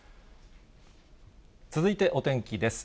続いてお天気です。